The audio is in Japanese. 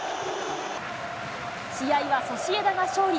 試合はソシエダが勝利。